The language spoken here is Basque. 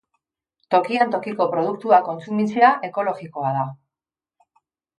Tokian tokiko produktuak kontsumitzea ekologikoa da.